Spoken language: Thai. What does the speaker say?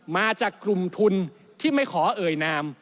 มาจากกลุ่มทุนที่ไม่ขอเอ่ยนาม